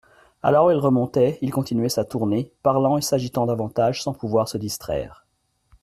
Alors, il remontait, il continuait sa tournée, parlant et s'agitant davantage, sans pouvoir se distraire.